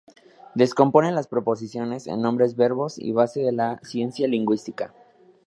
Descompone las proposiciones en nombres y verbos, base de la ciencia lingüística.